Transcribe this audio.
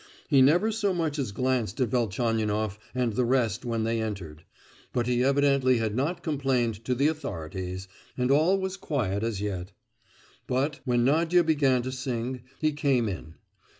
He never so much as glanced at Velchaninoff and the rest when they entered; but he evidently had not complained to the authorities, and all was quiet as yet. But, when Nadia began to sing, he came in.